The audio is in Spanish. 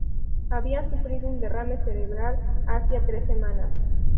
Había sufrido un derrame cerebral hacía tres semanas.